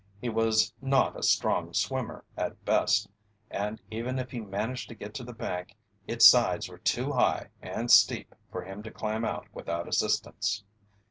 He was not a strong swimmer at best, and even if he managed to get to the bank its sides were too high and steep for him to climb out without assistance.